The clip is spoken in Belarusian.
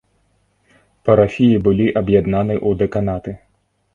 Парафіі былі аб'яднаны ў дэканаты.